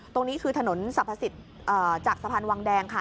ตรงนี้คือถนนสรรพสิทธิ์จากสะพานวังแดงค่ะ